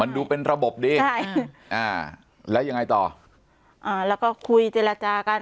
ดูเป็นระบบดีใช่อ่าแล้วยังไงต่ออ่าแล้วก็คุยเจรจากัน